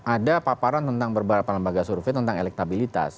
ada paparan tentang beberapa lembaga survei tentang elektabilitas